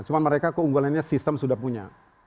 cuma mereka keunggulan nya sistem sudah punya